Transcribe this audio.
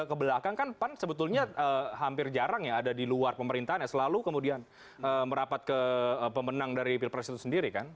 kebelakang kan sebetulnya hampir jarang ada di luar pemerintahnya selalu kemudian merapat ke pemenang dari pilpres itu sendiri kan